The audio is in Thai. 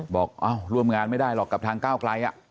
บอกร่วมงานไม่ได้หรอกกับทางก้าวไกล